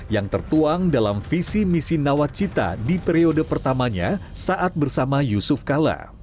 yang tertuang dalam visi misi nawat cita di periode pertamanya saat bersama yusuf kalla